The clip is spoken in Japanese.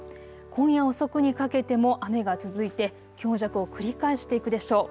今夜遅くにかけても雨が続いて強弱を繰り返していくでしょう。